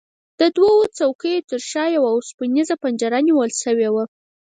د دوو څوکیو ترشا یوه اوسپنیزه پنجره نیول شوې وه.